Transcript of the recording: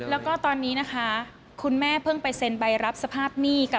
แล้วก็ตอนนี้นะคะคุณแม่เพิ่งไปเซ็นใบรับสภาพหนี้กับ